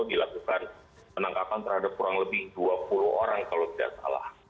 dilakukan penangkapan terhadap kurang lebih dua puluh orang kalau tidak salah